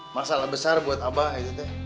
masalah besar buat abah itu teh